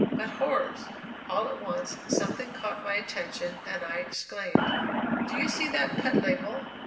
But horrors! all at once, something caught my attention and I exclaimed: "Do you see that cut label?